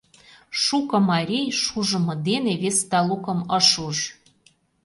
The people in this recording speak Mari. Шуко марий шужымо дене вес талукым ыш уж.